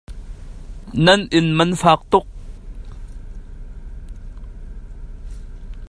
Minung cu kan tlamtling lonak zong a um lai.